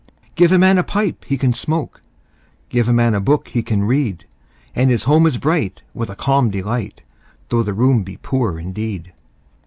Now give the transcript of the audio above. Give a man a pipe he can smoke, 5 Give a man a book he can read: And his home is bright with a calm delight, Though the room be poor indeed.